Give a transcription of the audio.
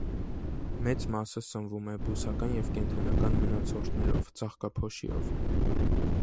Մեծ մասը սնվում է բուսական և կենդանական մնացորդներով, ծաղկափոշիով։